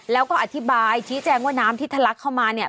แล้วก็อธิบายชี้แจงว่าน้ำที่ทะลักเข้ามาเนี่ย